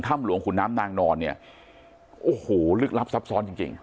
หลวงขุนน้ำนางนอนเนี่ยโอ้โหลึกลับซับซ้อนจริงจริง